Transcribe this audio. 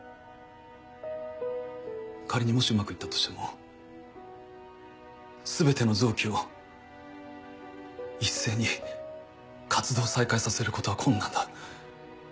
仮にもしうまく行ったとしても全ての臓器を一斉に活動再開させることは困難だ。